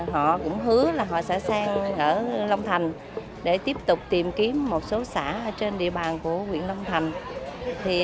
họ cũng hứa là họ sẽ sang ở long thành để tiếp tục tìm kiếm một số xã trên địa bàn của huyện long thành